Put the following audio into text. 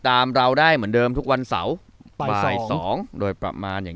เราได้เหมือนเดิมทุกวันเสาร์บ่ายสองโดยประมาณอย่าง